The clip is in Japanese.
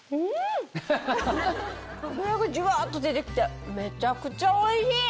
脂がジュワっと出てきてめちゃくちゃおいしい！